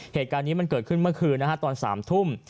เหตุการณ์นี้มันเกิดขึ้นเมื่อคืนตอน๓ทุ่ม